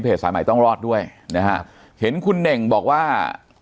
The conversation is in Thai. สายใหม่ต้องรอดด้วยนะฮะเห็นคุณเน่งบอกว่า